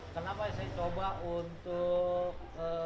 kenapa saya coba untuk